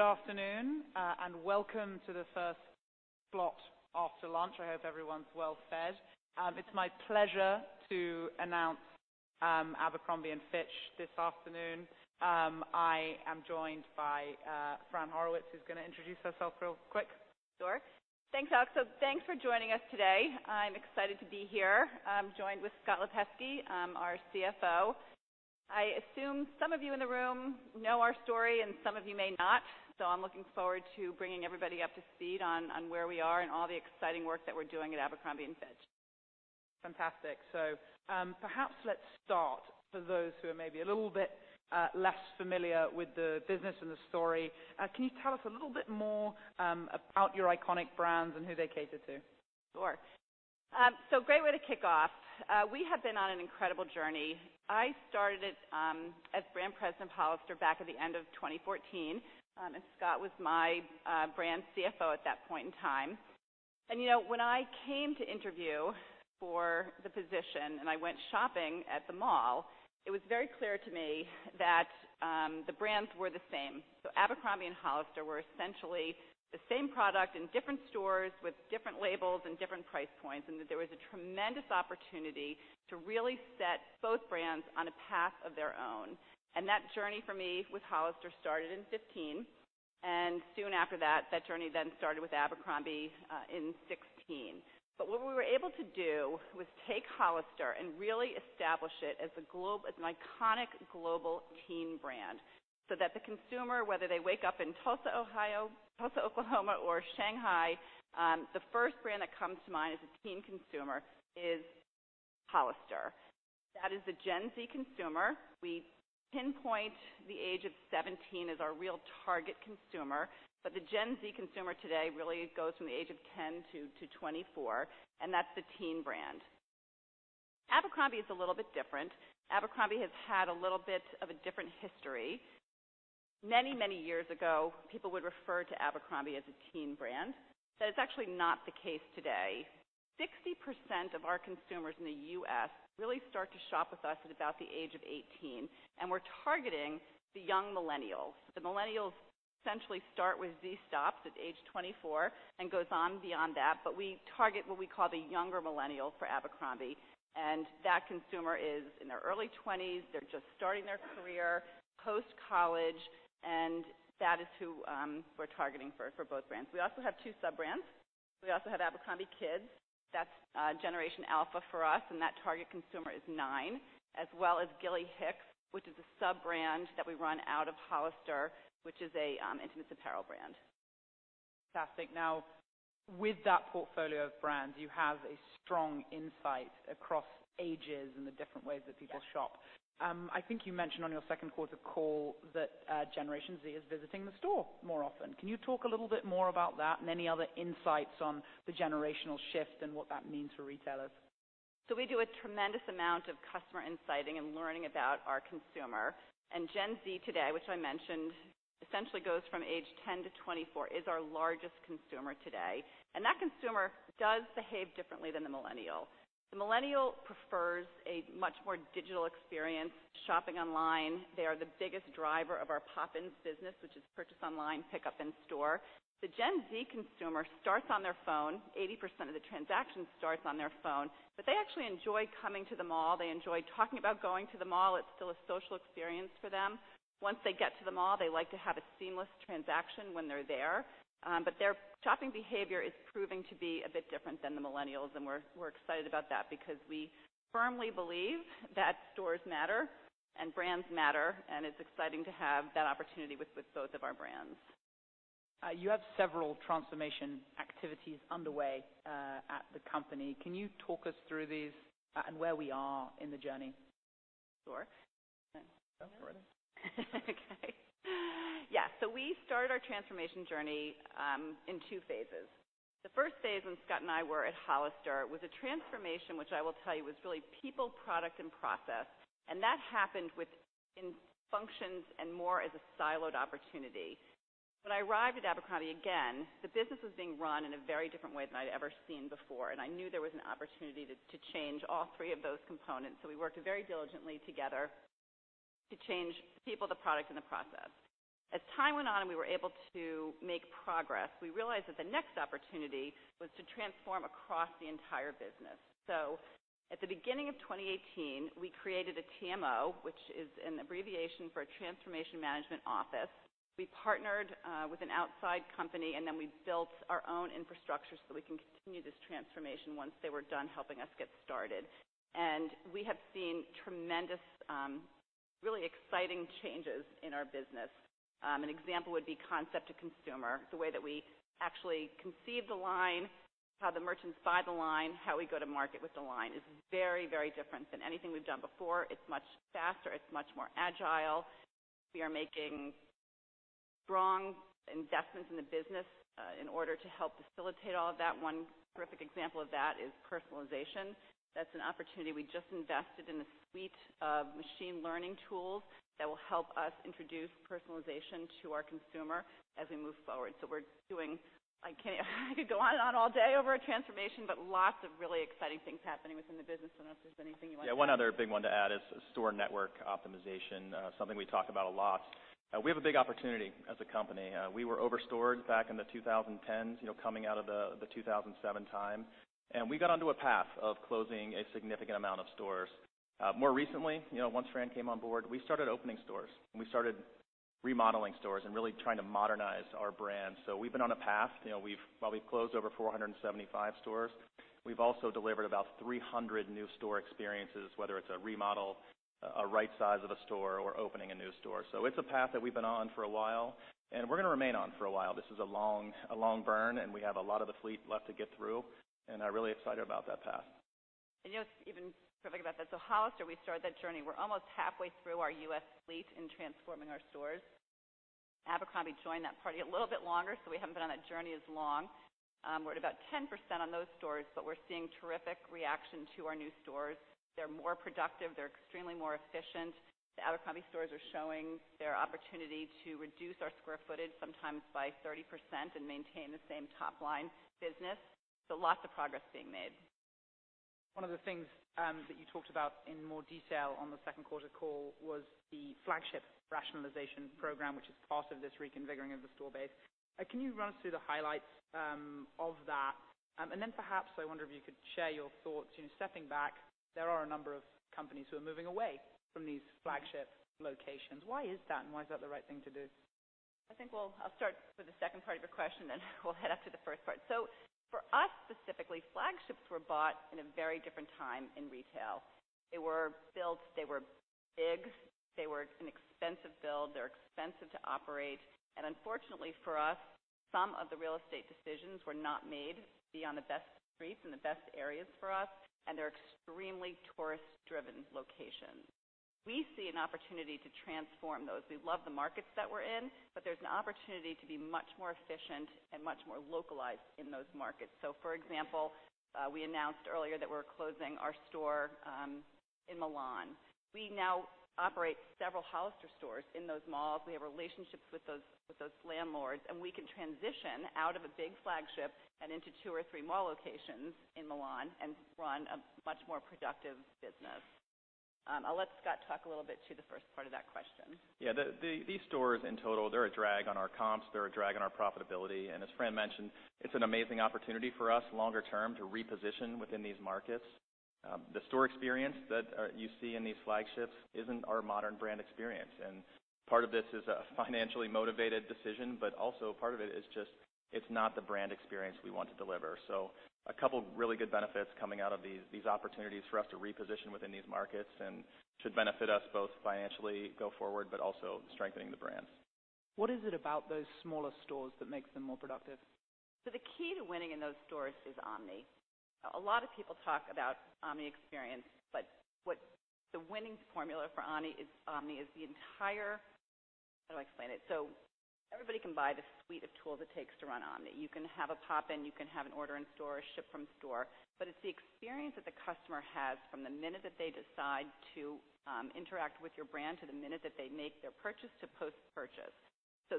Good afternoon, welcome to the first slot after lunch. I hope everyone's well fed. It's my pleasure to announce Abercrombie & Fitch this afternoon. I am joined by Fran Horowitz, who's going to introduce herself real quick. Sure. Thanks, Alex. Thanks for joining us today. I'm excited to be here. I'm joined with Scott Lipesky, our CFO. I assume some of you in the room know our story, and some of you may not. I'm looking forward to bringing everybody up to speed on where we are and all the exciting work that we're doing at Abercrombie & Fitch. Fantastic. Perhaps let's start, for those who are maybe a little bit less familiar with the business and the story, can you tell us a little bit more about your iconic brands and who they cater to? Sure. Great way to kick off. We have been on an incredible journey. I started as brand president of Hollister back at the end of 2014, and Scott was my brand CFO at that point in time. When I came to interview for the position, and I went shopping at the mall, it was very clear to me that the brands were the same. Abercrombie and Hollister were essentially the same product in different stores with different labels and different price points, and that there was a tremendous opportunity to really set both brands on a path of their own. That journey for me with Hollister started in 2015, and soon after that journey then started with Abercrombie in 2016. What we were able to do was take Hollister and really establish it as an iconic global teen brand, so that the consumer, whether they wake up in Tulsa, Oklahoma, or Shanghai, the first brand that comes to mind as a teen consumer is Hollister. That is the Gen Z consumer. We pinpoint the age of 17 as our real target consumer, but the Gen Z consumer today really goes from the age of 10 to 24, and that's the teen brand. Abercrombie is a little bit different. Abercrombie has had a little bit of a different history. Many years ago, people would refer to Abercrombie as a teen brand, but it's actually not the case today. 60% of our consumers in the U.S. really start to shop with us at about the age of 18, and we're targeting the young millennials. The millennials essentially start where Gen Z stops at age 24 and goes on beyond that. We target what we call the younger millennials for Abercrombie, and that consumer is in their early 20s. They're just starting their career post-college. That is who we're targeting for both brands. We also have two sub-brands. We also have Abercrombie Kids, that's Generation Alpha for us. That target consumer is nine, as well as Gilly Hicks, which is a sub-brand that we run out of Hollister, which is an intimates apparel brand. Fantastic. With that portfolio of brands, you have a strong insight across ages and the different ways that people shop. Yeah. I think you mentioned on your second quarter call that Generation Z is visiting the store more often. Can you talk a little bit more about that and any other insights on the generational shift and what that means for retailers? We do a tremendous amount of customer insighting and learning about our consumer. Gen Z today, which I mentioned essentially goes from age 10 to 24, is our largest consumer today. That consumer does behave differently than the millennial. The millennial prefers a much more digital experience shopping online. They are the biggest driver of our BOPIS business, which is purchase online, pickup in store. The Gen Z consumer starts on their phone, 80% of the transaction starts on their phone, but they actually enjoy coming to the mall. They enjoy talking about going to the mall. It's still a social experience for them. Once they get to the mall, they like to have a seamless transaction when they're there. Their shopping behavior is proving to be a bit different than the millennials, and we're excited about that because we firmly believe that stores matter and brands matter, and it's exciting to have that opportunity with both of our brands. You have several transformation activities underway at the company. Can you talk us through these and where we are in the journey? Sure. Yeah. Ready. Okay. Yeah. We started our transformation journey in two phases. The first phase when Scott and I were at Hollister was a transformation which I will tell you was really people, product, and process, and that happened within functions and more as a siloed opportunity. When I arrived at Abercrombie, again, the business was being run in a very different way than I'd ever seen before, and I knew there was an opportunity to change all three of those components. We worked very diligently together to change people, the product, and the process. As time went on and we were able to make progress, we realized that the next opportunity was to transform across the entire business. At the beginning of 2018, we created a TMO, which is an abbreviation for Transformation Management Office. We partnered with an outside company, and then we built our own infrastructure so that we can continue this transformation once they were done helping us get started. We have seen tremendous, really exciting changes in our business. An example would be concept to consumer. The way that we actually conceive the line, how the merchants buy the line, how we go to market with the line is very different than anything we've done before. It's much faster. It's much more agile. We are making strong investments in the business in order to help facilitate all of that. One terrific example of that is personalization. That's an opportunity. We just invested in a suite of machine learning tools that will help us introduce personalization to our consumer as we move forward. We're doing I could go on and on all day over a transformation, but lots of really exciting things happening within the business. I don't know if there's anything you want to add. One other big one to add is store network optimization. Something we talk about a lot. We have a big opportunity as a company. We were over-stored back in the 2010s, coming out of the 2007 time, and we got onto a path of closing a significant amount of stores. More recently, once Fran came on board, we started opening stores and we started remodeling stores and really trying to modernize our brand. We've been on a path. While we've closed over 475 stores, we've also delivered about 300 new store experiences, whether it's a remodel, a right size of a store, or opening a new store. It's a path that we've been on for a while, and we're going to remain on for a while. This is a long burn, and we have a lot of the fleet left to get through, and are really excited about that path. Just even perfect about that. Hollister, we started that journey. We're almost halfway through our U.S. fleet in transforming our stores. Abercrombie joined that party a little bit longer, so we haven't been on that journey as long. We're at about 10% on those stores, but we're seeing terrific reaction to our new stores. They're more productive. They're extremely more efficient. The Abercrombie stores are showing their opportunity to reduce our square footage, sometimes by 30%, and maintain the same top-line business. Lots of progress being made. One of the things that you talked about in more detail on the second quarter call was the flagship rationalization program, which is part of this reconfiguring of the store base. Can you run us through the highlights of that? Perhaps, I wonder if you could share your thoughts. Stepping back, there are a number of companies who are moving away from these flagship locations. Why is that, and why is that the right thing to do? I think I'll start with the second part of your question, and we'll head up to the first part. For us specifically, flagships were bought in a very different time in retail. They were built, they were big, they were an expensive build, they're expensive to operate, and unfortunately for us, some of the real estate decisions were not made to be on the best streets in the best areas for us, and they're extremely tourist-driven locations. We see an opportunity to transform those. We love the markets that we're in, but there's an opportunity to be much more efficient and much more localized in those markets. For example, we announced earlier that we're closing our store in Milan. We now operate several Hollister stores in those malls. We have relationships with those landlords, and we can transition out of a big flagship and into two or three mall locations in Milan and run a much more productive business. I'll let Scott talk a little bit to the first part of that question. Yeah. These stores in total, they're a drag on our comps. They're a drag on our profitability. As Fran mentioned, it's an amazing opportunity for us longer term to reposition within these markets. The store experience that you see in these flagships isn't our modern brand experience. Part of this is a financially motivated decision, but also part of it is just, it's not the brand experience we want to deliver. A couple of really good benefits coming out of these opportunities for us to reposition within these markets and should benefit us both financially go forward, but also strengthening the brands. What is it about those smaller stores that makes them more productive? The key to winning in those stores is omni. A lot of people talk about omni experience, what the winning formula for omni is the entire How do I explain it? Everybody can buy the suite of tools it takes to run omni. You can have a pop-in, you can have an order in store, ship from store, it's the experience that the customer has from the minute that they decide to interact with your brand to the minute that they make their purchase to post-purchase.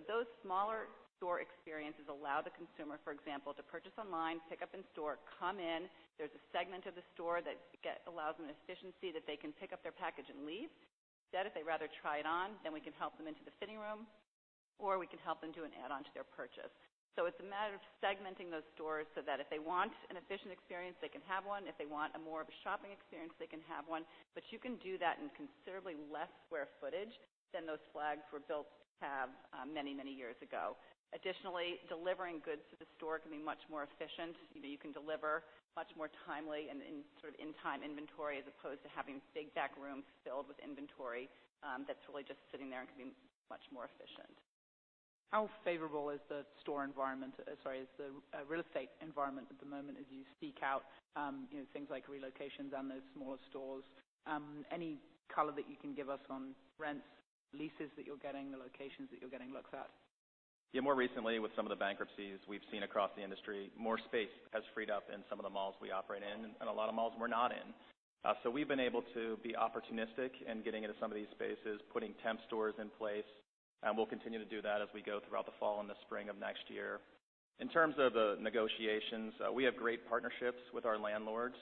Those smaller store experiences allow the consumer, for example, to purchase online, pick up in store, come in. There's a segment of the store that allows them the efficiency that they can pick up their package and leave. If they'd rather try it on, we can help them into the fitting room, or we can help them do an add-on to their purchase. It's a matter of segmenting those stores so that if they want an efficient experience, they can have one. If they want a more of a shopping experience, they can have one. You can do that in considerably less square footage than those flags were built to have many, many years ago. Additionally, delivering goods to the store can be much more efficient. You can deliver much more timely and in sort of in-time inventory, as opposed to having big back rooms filled with inventory that's really just sitting there and can be much more efficient. How favorable is the store environment, sorry, is the real estate environment at the moment as you seek out things like relocations and those smaller stores? Any color that you can give us on rents, leases that you're getting, the locations that you're getting looked at? Yeah. More recently, with some of the bankruptcies we've seen across the industry, more space has freed up in some of the malls we operate in and a lot of malls we're not in. We've been able to be opportunistic in getting into some of these spaces, putting temp stores in place. We'll continue to do that as we go throughout the fall and the spring of next year. In terms of the negotiations, we have great partnerships with our landlords.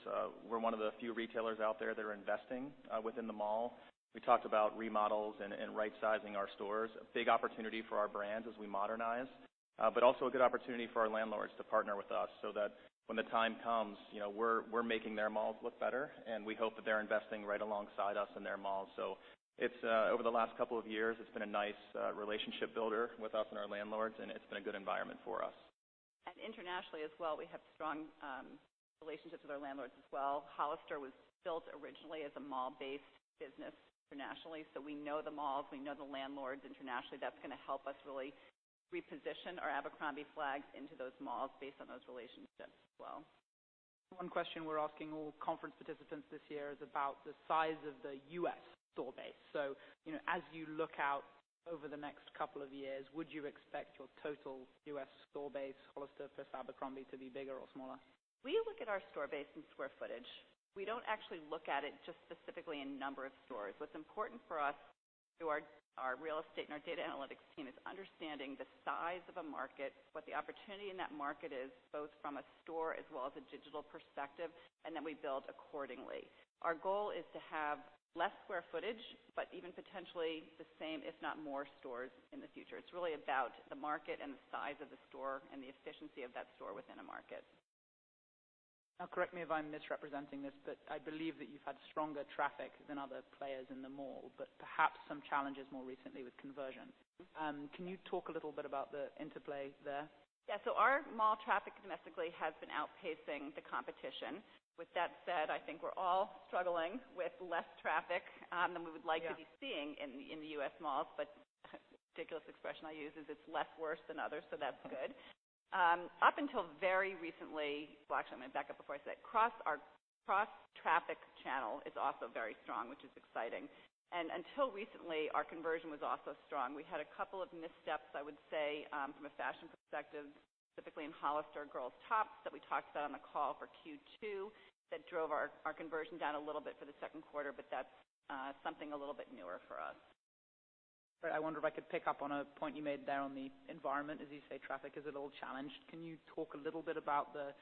We're one of the few retailers out there that are investing within the mall. We talked about remodels and right-sizing our stores. A big opportunity for our brands as we modernize. Also a good opportunity for our landlords to partner with us so that when the time comes, we're making their malls look better, and we hope that they're investing right alongside us in their malls. Over the last couple of years, it's been a nice relationship builder with us and our landlords, and it's been a good environment for us. Internationally as well, we have strong relationships with our landlords as well. Hollister was built originally as a mall-based business internationally. We know the malls, we know the landlords internationally. That's going to help us really reposition our Abercrombie flags into those malls based on those relationships as well. One question we're asking all conference participants this year is about the size of the U.S. store base. As you look out over the next couple of years, would you expect your total U.S. store base, Hollister plus Abercrombie, to be bigger or smaller? We look at our store base in square footage. We don't actually look at it just specifically in number of stores. What's important for us through our real estate and our data analytics team is understanding the size of a market, what the opportunity in that market is, both from a store as well as a digital perspective. We build accordingly. Our goal is to have less square footage. Even potentially the same if not more stores in the future. It's really about the market and the size of the store and the efficiency of that store within a market. Correct me if I'm misrepresenting this, but I believe that you've had stronger traffic than other players in the mall, but perhaps some challenges more recently with conversion. Can you talk a little bit about the interplay there? Yeah. Our mall traffic domestically has been outpacing the competition. With that said, I think we're all struggling with less traffic than we would like to be seeing in the U.S. malls, but a ridiculous expression I use is it's less worse than others, so that's good. Well, actually, I'm going to back up before I say. Our cross traffic channel is also very strong, which is exciting. Until recently, our conversion was also strong. We had a couple of missteps, I would say, from a fashion perspective, specifically in Hollister girls' tops that we talked about on the call for Q2, that drove our conversion down a little bit for the second quarter, but that's something a little bit newer for us. Right. I wonder if I could pick up on a point you made there on the environment. As you say, traffic is a little challenged. Can you talk a little bit about the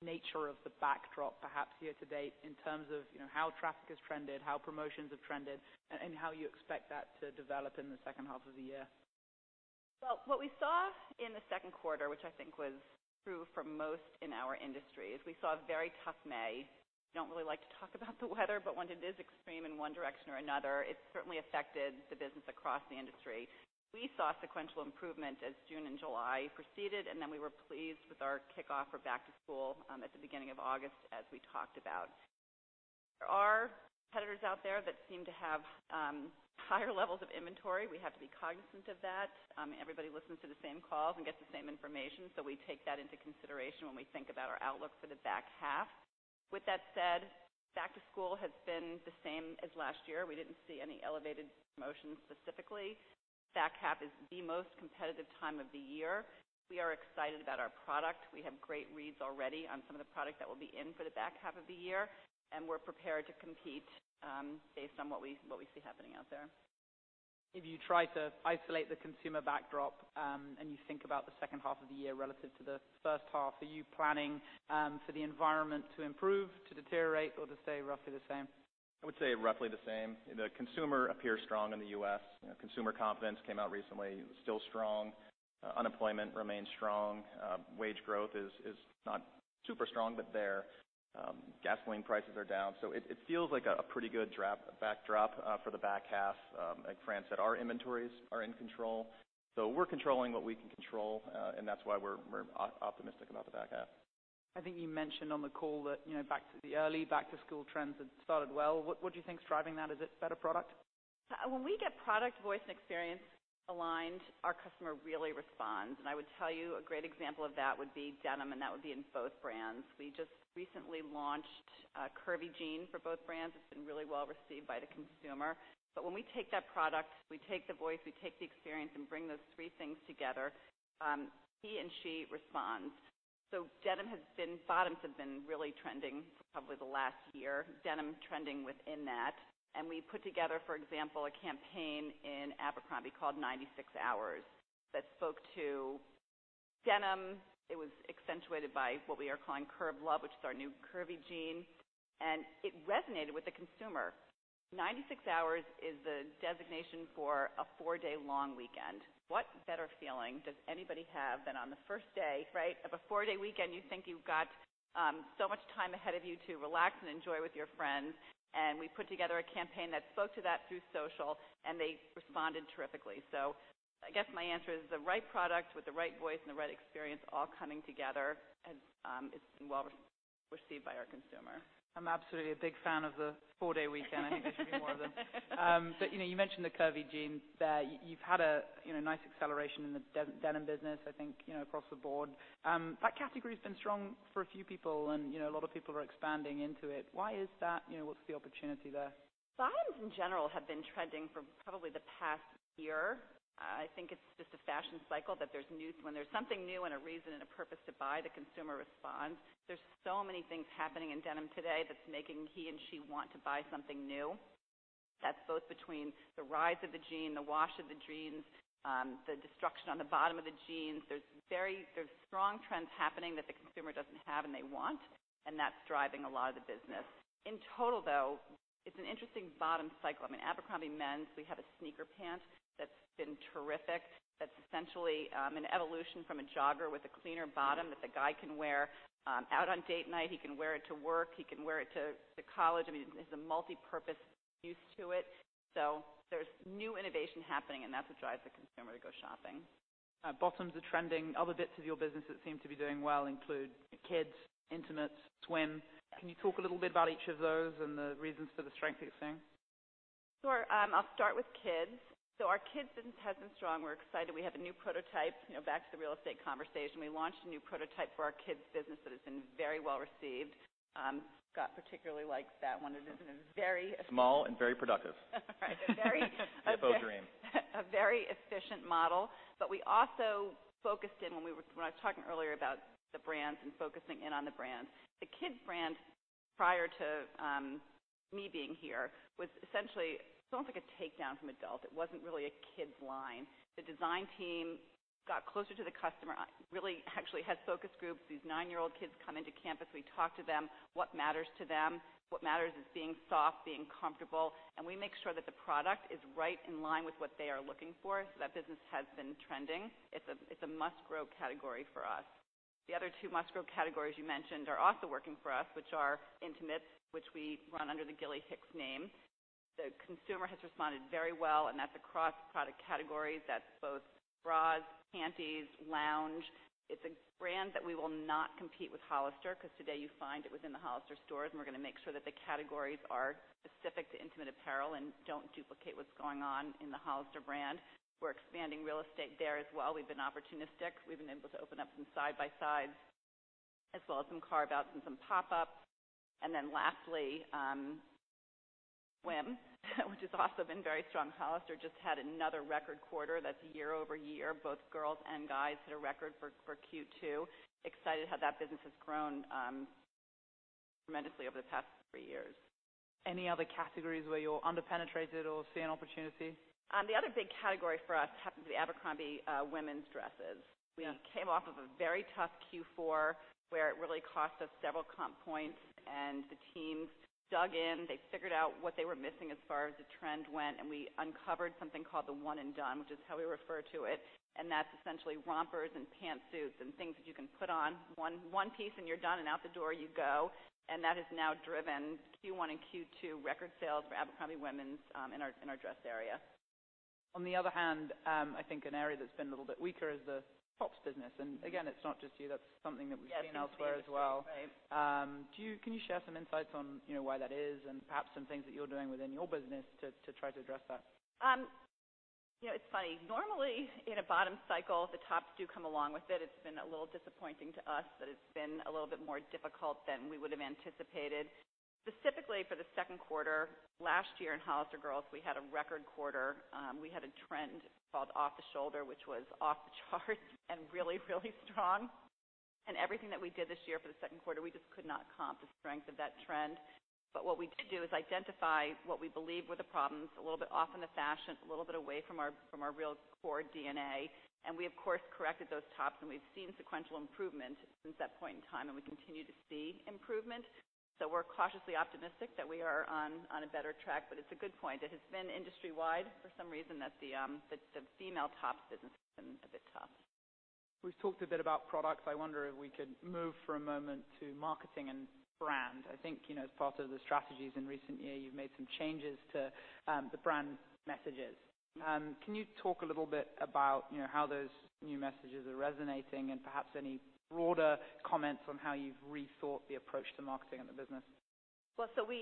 nature of the backdrop, perhaps year-to-date, in terms of how traffic has trended, how promotions have trended, and how you expect that to develop in the second half of the year? Well, what we saw in the second quarter, which I think was true for most in our industry, is we saw a very tough May. We don't really like to talk about the weather, but when it is extreme in one direction or another, it certainly affected the business across the industry. We saw sequential improvement as June and July proceeded, and then we were pleased with our kickoff for back to school at the beginning of August, as we talked about. There are competitors out there that seem to have higher levels of inventory. We have to be cognizant of that. Everybody listens to the same calls and gets the same information, so we take that into consideration when we think about our outlook for the back half. With that said, back to school has been the same as last year. We didn't see any elevated promotions specifically. Back half is the most competitive time of the year. We are excited about our product. We have great reads already on some of the product that will be in for the back half of the year, and we're prepared to compete based on what we see happening out there. If you try to isolate the consumer backdrop and you think about the second half of the year relative to the first half, are you planning for the environment to improve, to deteriorate, or to stay roughly the same? I would say roughly the same. The consumer appears strong in the U.S. Consumer confidence came out recently, still strong. Unemployment remains strong. Wage growth is not super strong, but there. Gasoline prices are down. It feels like a pretty good backdrop for the back half. Like Fran said, our inventories are in control, so we're controlling what we can control, and that's why we're optimistic about the back half. I think you mentioned on the call that the early back-to-school trends had started well. What do you think is driving that? Is it better product? When we get product, voice, and experience aligned, our customer really responds. I would tell you a great example of that would be denim, and that would be in both brands. We just recently launched a curvy jean for both brands. It's been really well received by the consumer. When we take that product, we take the voice, we take the experience, and bring those three things together, he and she responds. Bottoms have been really trending for probably the last year, denim trending within that. We put together, for example, a campaign in Abercrombie called 96 Hours that spoke to denim. It was accentuated by what we are calling Curve Love, which is our new curvy jean, and it resonated with the consumer. 96 Hours is the designation for a four-day long weekend. What better feeling does anybody have than on the first day, right, of a four-day weekend, you think you've got so much time ahead of you to relax and enjoy with your friends. We put together a campaign that spoke to that through social, and they responded terrifically. I guess my answer is the right product with the right voice and the right experience all coming together is being well received by our consumer. I'm absolutely a big fan of the four-day weekend. I think there should be more of them. You mentioned the curvy jean there. You've had a nice acceleration in the denim business, I think across the board. That category's been strong for a few people, and a lot of people are expanding into it. Why is that? What's the opportunity there? Bottoms in general have been trending for probably the past year. I think it's just a fashion cycle, that when there's something new and a reason and a purpose to buy, the consumer responds. There's so many things happening in denim today that's making he and she want to buy something new. That's both between the rise of the jean, the wash of the jeans, the destruction on the bottom of the jeans. There's strong trends happening that the consumer doesn't have and they want, and that's driving a lot of the business. In total, though, it's an interesting bottom cycle. I mean, Abercrombie men's, we have a sneaker pant that's been terrific. That's essentially an evolution from a jogger with a cleaner bottom that the guy can wear out on date night. He can wear it to work. He can wear it to college. I mean, there's a multipurpose use to it. There's new innovation happening, and that's what drives the consumer to go shopping. Bottoms are trending. Other bits of your business that seem to be doing well include abercrombie kids, Gilly Hicks, swim. Can you talk a little bit about each of those and the reasons for the strength you're seeing? Sure. I'll start with kids. Our kids business has been strong. We're excited. We have a new prototype. Back to the real estate conversation. We launched a new prototype for our kids business that has been very well received. Scott particularly likes that one. It is a very efficient. Small and very productive. Right. The EOT dream. A very efficient model. We also focused in when I was talking earlier about the brands and focusing in on the brands. The Kids brand prior to me being here was essentially almost like a takedown from adult. It wasn't really a Kids line. The design team got closer to the customer, really actually had focus groups. These nine-year-old kids come into campus. We talk to them, what matters to them. What matters is being soft, being comfortable, and we make sure that the product is right in line with what they are looking for. That business has been trending. It's a must-grow category for us. The other two must-grow categories you mentioned are also working for us, which are intimates, which we run under the Gilly Hicks name. The consumer has responded very well, and that's across product categories. That's both bras, panties, lounge. It's a brand that we will not compete with Hollister because today you find it within the Hollister stores, and we're going to make sure that the categories are specific to intimate apparel and don't duplicate what's going on in the Hollister brand. We're expanding real estate there as well. We've been opportunistic. We've been able to open up some side by sides as well as some carve-outs and some pop-ups. Lastly, swim, which has also been very strong. Hollister just had another record quarter. That's year-over-year, both girls and guys hit a record for Q2. We're excited how that business has grown tremendously over the past three years. Any other categories where you're under-penetrated or see an opportunity? The other big category for us happens to be Abercrombie women's dresses. Yeah. We came off of a very tough Q4, where it really cost us several comp points, and the teams dug in. They figured out what they were missing as far as the trend went, and we uncovered something called the one and done, which is how we refer to it, and that's essentially rompers and pant suits and things that you can put on one piece and you're done and out the door you go. That has now driven Q1 and Q2 record sales for Abercrombie women's in our dress area. On the other hand, I think an area that's been a little bit weaker is the tops business. Again, it's not just you. That's something that we've seen elsewhere as well. Yes. It seems to be the case. Right. Can you share some insights on why that is and perhaps some things that you're doing within your business to try to address that? It's funny. Normally, in a bottom cycle, the tops do come along with it. It's been a little disappointing to us that it's been a little bit more difficult than we would've anticipated. Specifically, for the second quarter, last year in Hollister Girls, we had a record quarter. We had a trend called off-the-shoulder, which was off the charts and really, really strong. Everything that we did this year for the second quarter, we just could not comp the strength of that trend. What we did do is identify what we believe were the problems, a little bit off in the fashion, a little bit away from our real core DNA, and we, of course, corrected those tops, and we've seen sequential improvement since that point in time, and we continue to see improvement. We're cautiously optimistic that we are on a better track, but it's a good point. It has been industry-wide for some reason that the female tops business has been a bit tough. We've talked a bit about products. I wonder if we could move for a moment to marketing and brand. I think as part of the strategies in recent years, you've made some changes to the brand messages. Can you talk a little bit about how those new messages are resonating and perhaps any broader comments on how you've rethought the approach to marketing in the business? Well, we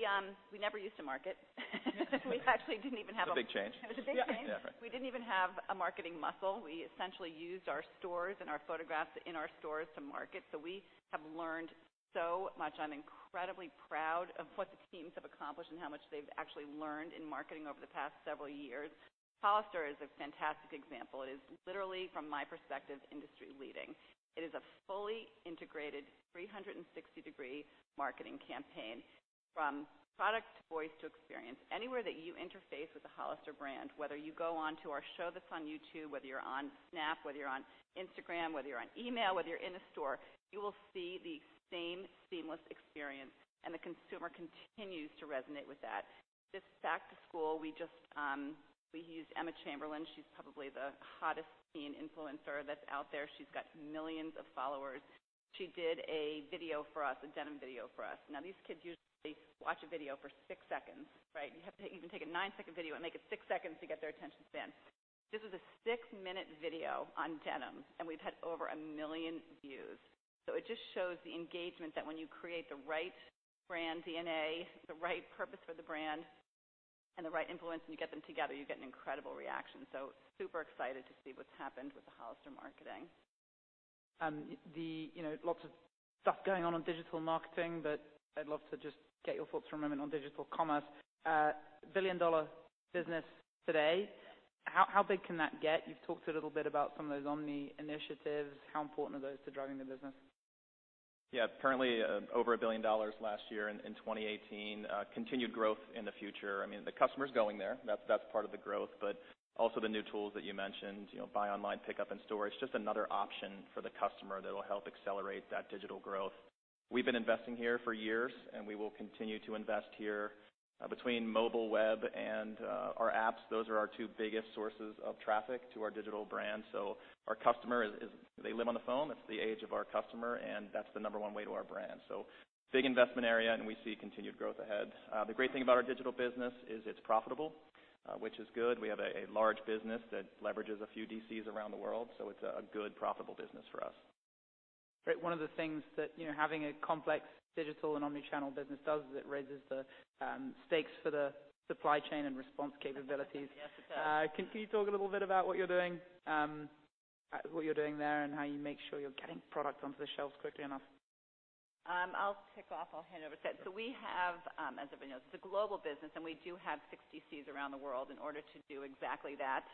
never used to market. We actually didn't even have. It's a big change. It was a big change. Yeah. Right. We didn't even have a marketing muscle. We essentially used our stores and our photographs in our stores to market. We have learned so much. I'm incredibly proud of what the teams have accomplished and how much they've actually learned in marketing over the past several years. Hollister is a fantastic example. It is literally, from my perspective, industry leading. It is a fully integrated 360-degree marketing campaign from product to voice to experience. Anywhere that you interface with the Hollister brand, whether you go onto our show that's on YouTube, whether you're on Snap, whether you're on Instagram, whether you're on email, whether you're in a store, you will see the same seamless experience, and the consumer continues to resonate with that. This back to school, we used Emma Chamberlain. She's probably the hottest teen influencer that's out there. She's got millions of followers. She did a video for us, a denim video for us. These kids usually watch a video for 6 seconds, right? You can take a 9-second video and make it 6 seconds to get their attention span. This was a 6-minute video on denim, and we've had over 1 million views. It just shows the engagement that when you create the right brand DNA, the right purpose for the brand, and the right influence, and you get them together, you get an incredible reaction. Super excited to see what's happened with the Hollister marketing. Lots of stuff going on in digital marketing, but I'd love to just get your thoughts for a moment on digital commerce. A billion-dollar business today, how big can that get? You've talked a little bit about some of those omni initiatives. How important are those to driving the business? Yeah. Currently, over $1 billion last year in 2018. Continued growth in the future. I mean, the customer's going there. That's part of the growth, but also the new tools that you mentioned. Buy Online, Pick Up In Store. It's just another option for the customer that'll help accelerate that digital growth. We've been investing here for years, and we will continue to invest here. Between mobile web and our apps, those are our two biggest sources of traffic to our digital brand. Our customer, they live on the phone. It's the age of our customer, and that's the number one way to our brand. Big investment area, and we see continued growth ahead. The great thing about our digital business is it's profitable, which is good. We have a large business that leverages a few DCs around the world. It's a good profitable business for us. Great. One of the things that having a complex digital and omni-channel business does is it raises the stakes for the supply chain and response capabilities. Yes, it does. Can you talk a little bit about what you're doing there and how you make sure you're getting product onto the shelves quickly enough? I'll kick off. I'll hand over. We have, as everybody knows, it's a global business, and we do have 6 DCs around the world. In order to do exactly that,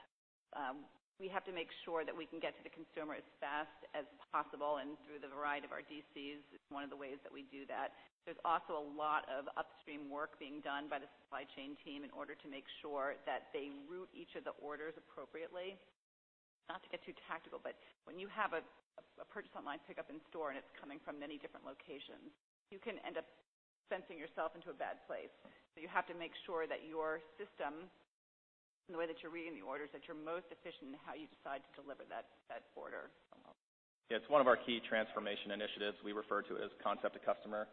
we have to make sure that we can get to the consumer as fast as possible, and through the variety of our DCs is one of the ways that we do that. There's also a lot of upstream work being done by the supply chain team in order to make sure that they route each of the orders appropriately. Not to get too tactical, when you have a purchase online, pick up in store, and it's coming from many different locations, you can end up fencing yourself into a bad place. You have to make sure that your system, the way that you're reading the orders, that you're most efficient in how you decide to deliver that order. It's one of our key transformation initiatives. We refer to it as concept to customer,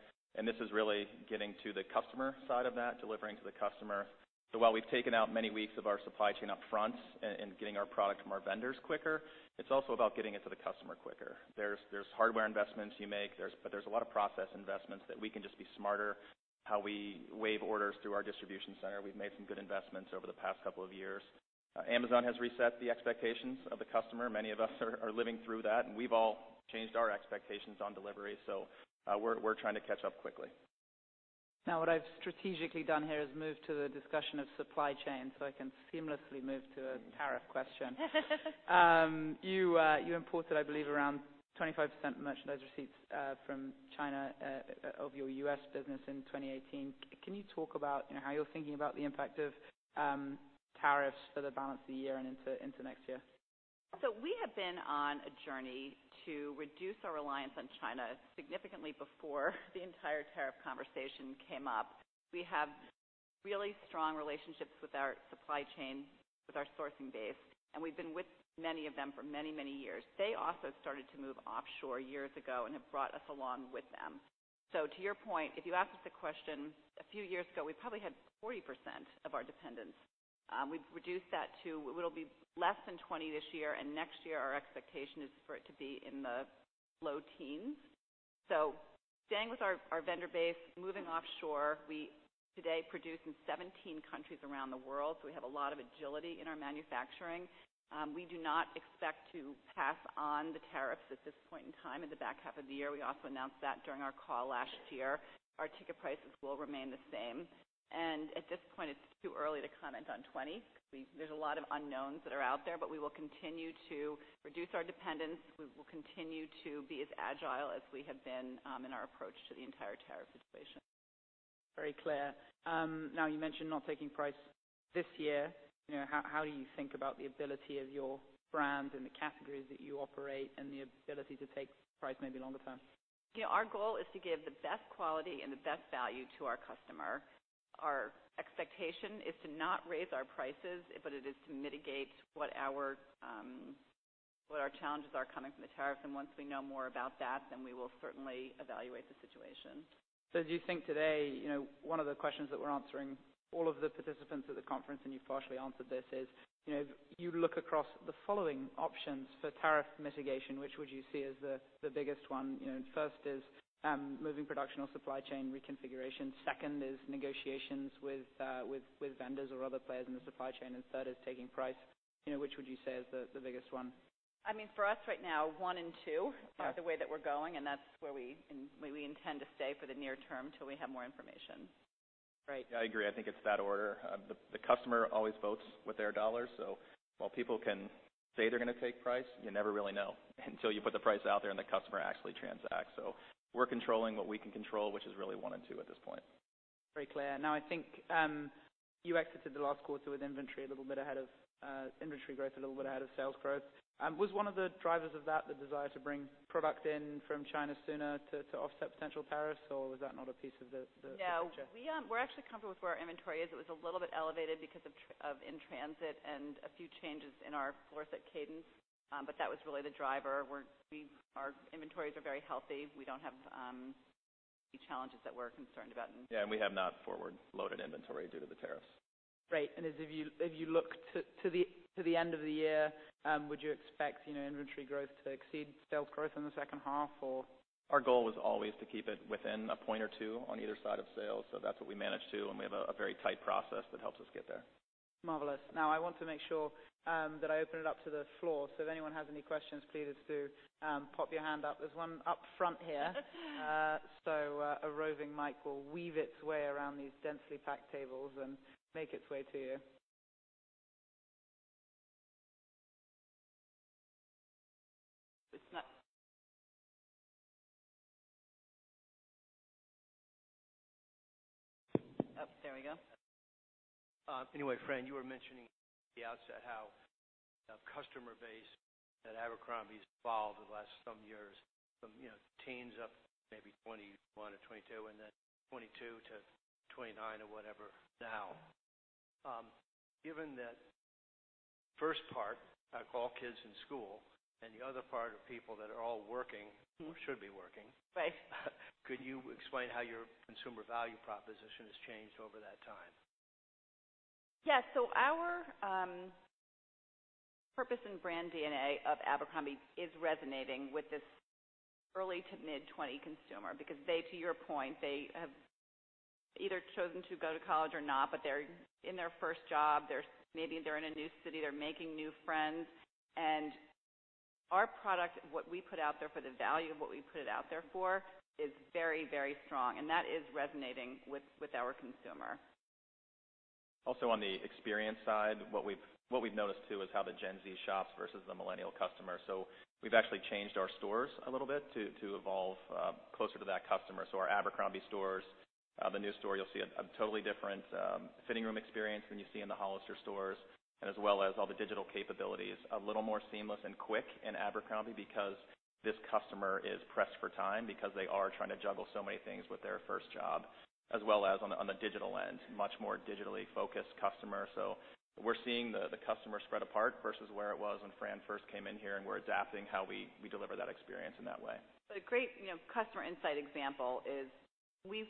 this is really getting to the customer side of that, delivering to the customer. While we've taken out many weeks of our supply chain up front in getting our product from our vendors quicker, it's also about getting it to the customer quicker. There's hardware investments you make, there's a lot of process investments that we can just be smarter how we wave orders through our distribution center. We've made some good investments over the past couple of years. Amazon has reset the expectations of the customer. Many of us are living through that, we've all changed our expectations on delivery. We're trying to catch up quickly. What I've strategically done here is move to the discussion of supply chain so I can seamlessly move to a tariff question. You imported, I believe, around 25% merchandise receipts from China of your U.S. business in 2018. Can you talk about how you're thinking about the impact of tariffs for the balance of the year and into next year? We have been on a journey to reduce our reliance on China significantly before the entire tariff conversation came up. We have really strong relationships with our supply chain, with our sourcing base, and we've been with many of them for many, many years. They also started to move offshore years ago and have brought us along with them. To your point, if you asked us the question a few years ago, we probably had 40% of our dependence. We've reduced that to, it will be less than 20% this year, and next year, our expectation is for it to be in the low teens. Staying with our vendor base, moving offshore. We today produce in 17 countries around the world, so we have a lot of agility in our manufacturing. We do not expect to pass on the tariffs at this point in time in the back half of the year. We also announced that during our call last year. Our ticket prices will remain the same. At this point, it's too early to comment on 2020 because there's a lot of unknowns that are out there. We will continue to reduce our dependence. We will continue to be as agile as we have been in our approach to the entire tariff situation. Very clear. You mentioned not taking price this year. How do you think about the ability of your brand and the categories that you operate and the ability to take price maybe longer term? Our goal is to give the best quality and the best value to our customer. Our expectation is to not raise our prices, but it is to mitigate what our challenges are coming from the tariff. Once we know more about that, then we will certainly evaluate the situation. Do you think today, one of the questions that we're answering all of the participants at the conference, and you've partially answered this, is if you look across the following options for tariff mitigation, which would you see as the biggest one? First is, moving production or supply chain reconfiguration. Second is negotiations with vendors or other players in the supply chain, and third is taking price. Which would you say is the biggest one? For us right now, one and two. Okay are the way that we're going, and that's where we intend to stay for the near term till we have more information. Right. Yeah, I agree. I think it's that order. The customer always votes with their dollars. While people can say they're going to take price, you never really know until you put the price out there and the customer actually transacts. We're controlling what we can control, which is really one and two at this point. Very clear. I think you exited the last quarter with inventory a little bit ahead of, industry growth a little bit ahead of sales growth. Was one of the drivers of that the desire to bring product in from China sooner to offset potential tariffs, or was that not a piece of the picture? No. We're actually comfortable with where our inventory is. It was a little bit elevated because of in-transit and a few changes in our floor set cadence. That was really the driver. Our inventories are very healthy. We don't have any challenges that we're concerned about. Yeah. We have not forward-loaded inventory due to the tariffs. Great. As if you look to the end of the year, would you expect inventory growth to exceed sales growth in the second half? Our goal was always to keep it within a point or two on either side of sales. That's what we managed to, and we have a very tight process that helps us get there. I want to make sure that I open it up to the floor. If anyone has any questions, please do pop your hand up. There's one up front here. A roving mic will weave its way around these densely packed tables and make its way to you. It's not Oh, there we go. Fran, you were mentioning at the outset how the customer base at Abercrombie's evolved over the last some years from teens up maybe 21 or 22 and then 22 to 29 or whatever now. Given that first part, all kids in school, and the other part are people that are all working- should be working. Right. Could you explain how your consumer value proposition has changed over that time? Yeah. Our purpose and brand DNA of Abercrombie is resonating with this early to mid-20 consumer because they, to your point, they have either chosen to go to college or not, but they're in their first job. Maybe they're in a new city. They're making new friends. Our product, what we put out there for the value of what we put it out there for, is very, very strong, and that is resonating with our consumer. On the experience side, what we've noticed too is how the Gen Z shops versus the millennial customer. We've actually changed our stores a little bit to evolve closer to that customer. Our Abercrombie stores, the new store, you'll see a totally different fitting room experience than you see in the Hollister stores, and as well as all the digital capabilities. A little more seamless and quick in Abercrombie because this customer is pressed for time because they are trying to juggle so many things with their first job. As well as on the digital end, much more digitally focused customer. We're seeing the customer spread apart versus where it was when Fran first came in here, and we're adapting how we deliver that experience in that way. A great customer insight example is we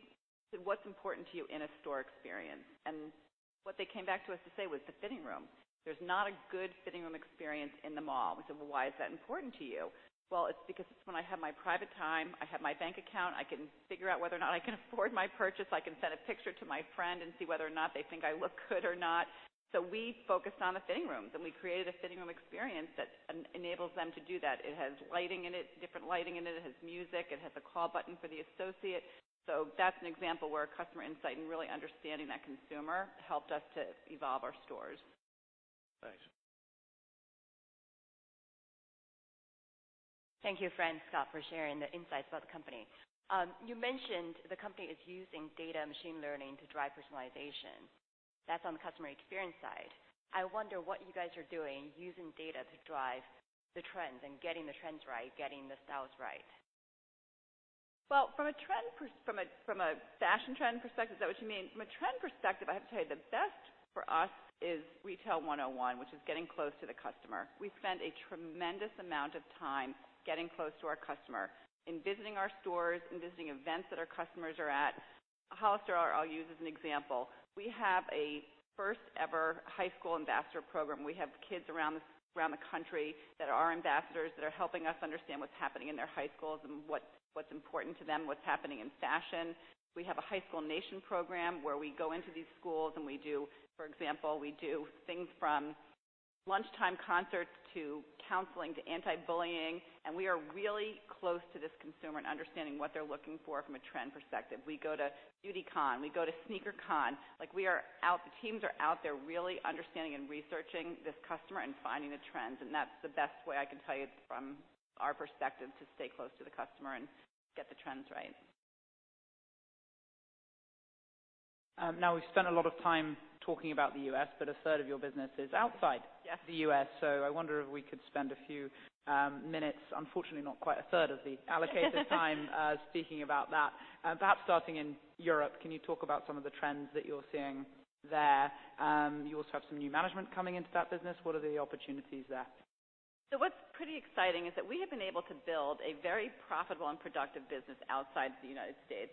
said, "What's important to you in a store experience?" What they came back to us to say was the fitting room. There's not a good fitting room experience in the mall. We said, "Well, why is that important to you?" "Well, it's because it's when I have my private time. I have my bank account. I can figure out whether or not I can afford my purchase. I can send a picture to my friend and see whether or not they think I look good or not." We focused on the fitting rooms, and we created a fitting room experience that enables them to do that. It has lighting in it, different lighting in it. It has music. It has a call button for the associate. That's an example where customer insight and really understanding that consumer helped us to evolve our stores. Thanks. Thank you, Fran, Scott, for sharing the insights about the company. You mentioned the company is using data machine learning to drive personalization. That's on the customer experience side. I wonder what you guys are doing using data to drive the trends and getting the trends right, getting the styles right. Well, from a fashion trend perspective, is that what you mean? From a trend perspective, I have to tell you, the best for us is retail 101, which is getting close to the customer. We spend a tremendous amount of time getting close to our customer. In visiting our stores, in visiting events that our customers are at. Hollister, I'll use as an example. We have a first-ever high school ambassador program. We have kids around the country that are ambassadors that are helping us understand what's happening in their high schools and what's important to them, what's happening in fashion. We have a High School Nation program where we go into these schools and we do, for example, things from lunchtime concerts to counseling to anti-bullying, and we are really close to this consumer and understanding what they're looking for from a trend perspective. We go to Beautycon. We go to Sneaker Con. The teams are out there really understanding and researching this customer and finding the trends. That's the best way I can tell you from our perspective, to stay close to the customer and get the trends right. We've spent a lot of time talking about the U.S., but a third of your business is outside. Yes the U.S. I wonder if we could spend a few minutes, unfortunately not quite a third of the allocated time speaking about that. Perhaps starting in Europe, can you talk about some of the trends that you're seeing there? You also have some new management coming into that business. What are the opportunities there? What's pretty exciting is that we have been able to build a very profitable and productive business outside the United States.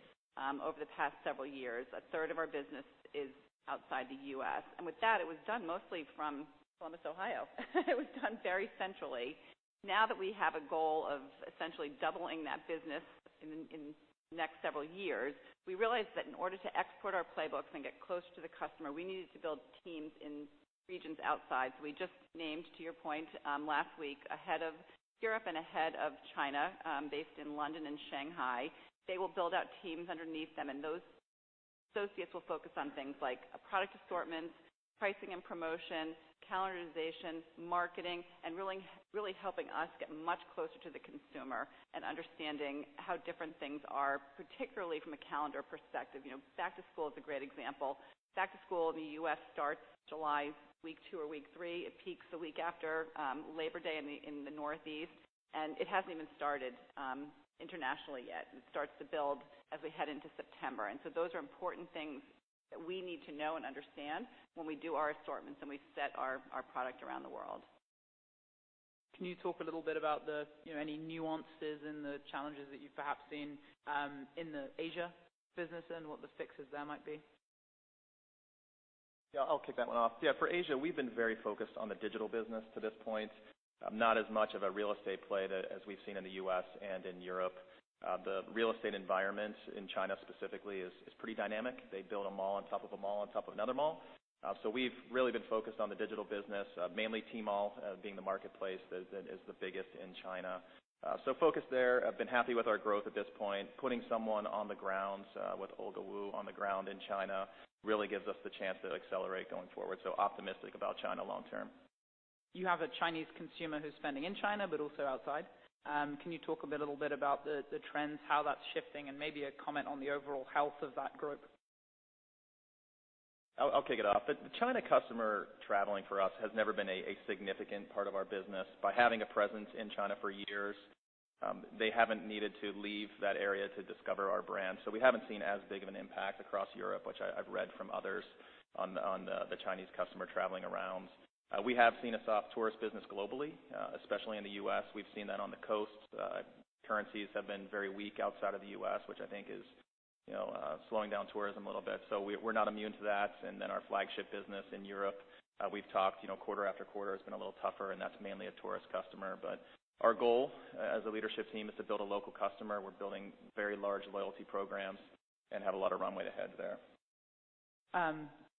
Over the past several years, a third of our business is outside the U.S., and with that, it was done mostly from Columbus, Ohio. It was done very centrally. Now that we have a goal of essentially doubling that business in the next several years, we realized that in order to export our playbooks and get close to the customer, we needed to build teams in regions outside. We just named, to your point, last week, a head of Europe and a head of China based in London and Shanghai. They will build out teams underneath them, and those associates will focus on things like product assortment, pricing and promotion, calendarization, marketing, and really helping us get much closer to the consumer and understanding how different things are, particularly from a calendar perspective. Back to school is a great example. Back to school in the U.S. starts July week two or week three. It peaks the week after Labor Day in the Northeast, and it hasn't even started internationally yet. It starts to build as we head into September. Those are important things that we need to know and understand when we do our assortments and we set our product around the world. Can you talk a little bit about any nuances and the challenges that you've perhaps seen in the Asia business and what the fixes there might be? Yeah, I'll kick that one off. Yeah, for Asia, we've been very focused on the digital business to this point. Not as much of a real estate play as we've seen in the U.S. and in Europe. The real estate environment in China specifically is pretty dynamic. They build a mall on top of a mall on top of another mall. We've really been focused on the digital business, mainly Tmall, being the marketplace that is the biggest in China. Focused there. I've been happy with our growth at this point. Putting someone on the ground with Olga Wu on the ground in China really gives us the chance to accelerate going forward. Optimistic about China long term. You have a Chinese consumer who's spending in China but also outside. Can you talk a little bit about the trends, how that's shifting, and maybe a comment on the overall health of that group? I'll kick it off. The China customer traveling for us has never been a significant part of our business. By having a presence in China for years, they haven't needed to leave that area to discover our brand. We haven't seen as big of an impact across Europe, which I've read from others on the Chinese customer traveling around. We have seen a soft tourist business globally, especially in the U.S. We've seen that on the coasts. Currencies have been very weak outside of the U.S., which I think is slowing down tourism a little bit. We're not immune to that. Our flagship business in Europe, we've talked quarter after quarter has been a little tougher, and that's mainly a tourist customer. Our goal as a leadership team is to build a local customer. We're building very large loyalty programs and have a lot of runway ahead there.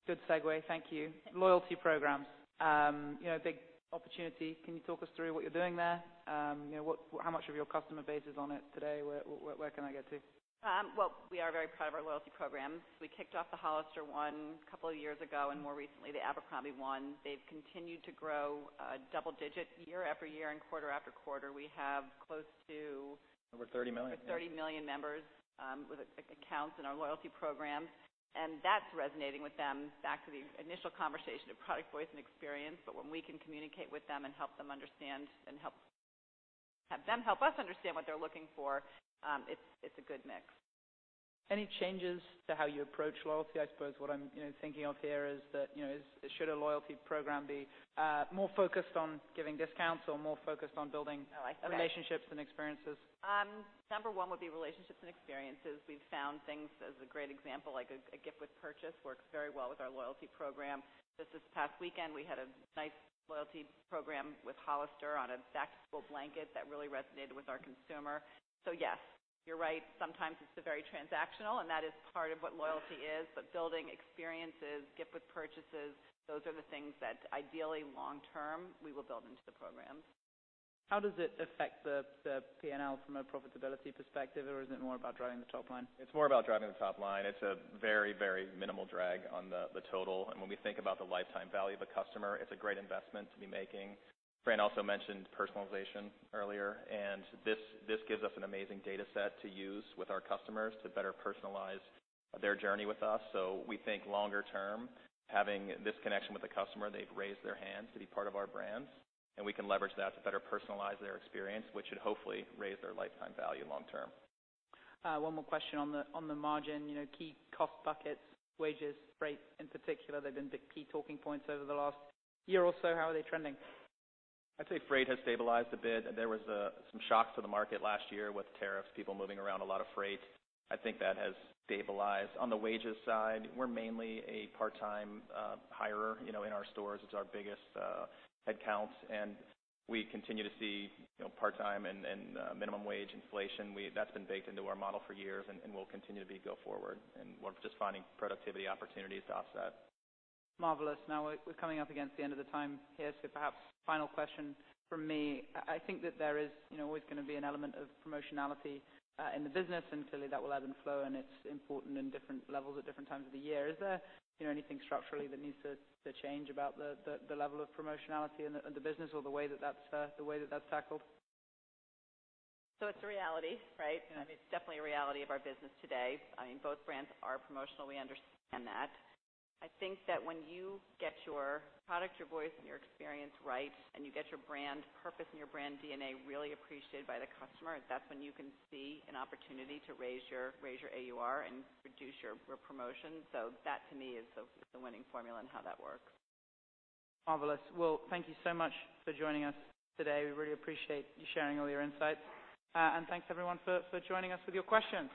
Good segue. Thank you. Loyalty programs. A big opportunity. Can you talk us through what you're doing there? How much of your customer base is on it today? Where can that get to? Well, we are very proud of our loyalty programs. We kicked off the Hollister one a couple of years ago, and more recently, the Abercrombie one. They've continued to grow double digit year after year and quarter after quarter. We have close to Over 30 million. Over 30 million members with accounts in our loyalty programs. That's resonating with them, back to the initial conversation of product, voice, and experience. When we can communicate with them and help them understand and have them help us understand what they're looking for, it's a good mix. Any changes to how you approach loyalty? I suppose what I'm thinking of here is should a loyalty program be more focused on giving discounts or more focused on building? Oh, I see. relationships and experiences? Number one would be relationships and experiences. We've found things, as a great example, like a gift with purchase works very well with our loyalty program. Just this past weekend, we had a nice loyalty program with Hollister on a back-to-school blanket that really resonated with our consumer. Yes, you're right. Sometimes it's very transactional, and that is part of what loyalty is. Building experiences, gift with purchases, those are the things that ideally long-term we will build into the programs. How does it affect the P&L from a profitability perspective, or is it more about driving the top line? It's more about driving the top line. It's a very minimal drag on the total. When we think about the lifetime value of a customer, it's a great investment to be making. Fran also mentioned personalization earlier, this gives us an amazing data set to use with our customers to better personalize their journey with us. We think longer term, having this connection with the customer, they've raised their hand to be part of our brands, we can leverage that to better personalize their experience, which should hopefully raise their lifetime value long term. One more question on the margin. Key cost buckets, wages, freight in particular, they've been big key talking points over the last year or so. How are they trending? I'd say freight has stabilized a bit. There was some shocks to the market last year with tariffs, people moving around, a lot of freight. I think that has stabilized. On the wages side, we're mainly a part-time hirer in our stores. It's our biggest headcounts. We continue to see part-time and minimum wage inflation. That's been baked into our model for years and will continue to be go forward. We're just finding productivity opportunities to offset. Marvelous. We're coming up against the end of the time here, so perhaps final question from me. I think that there is always going to be an element of promotionality in the business, and clearly that will ebb and flow, and it's important in different levels at different times of the year. Is there anything structurally that needs to change about the level of promotionality in the business or the way that that's tackled? It's a reality, right? Yeah. It's definitely a reality of our business today. Both brands are promotional. We understand that. I think that when you get your product, your voice, and your experience right, and you get your brand purpose and your brand DNA really appreciated by the customer, that's when you can see an opportunity to raise your AUR and reduce your promotion. That to me is the winning formula and how that works. Marvelous. Well, thank you so much for joining us today. We really appreciate you sharing all your insights. Thanks, everyone, for joining us with your questions.